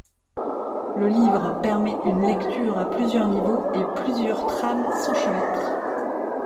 Le livre permet une lecture à plusieurs niveaux et plusieurs trames s’enchevêtrent.